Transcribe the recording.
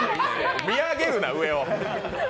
見上げるな、上を。